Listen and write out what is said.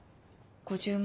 ５０万。